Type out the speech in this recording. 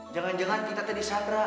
jangan jangan kita tadi sandra